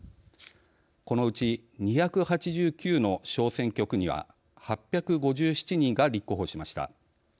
このうち２８９の小選挙区には８５７人が立候補しました。